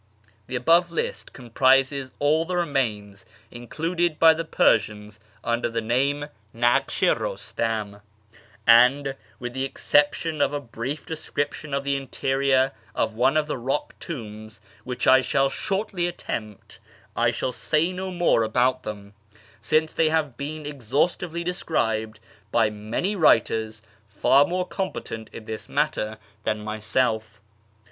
The above list comprises all tlie remains included by the Persians under the name " Naksh i Ptustam," and, with the excep tion of a brief description of the interior of one of the rock tombs which I shall shortly attempt, I shall say no more about them, since they have been exhaustively described by many writers far more competent in this matter than myself.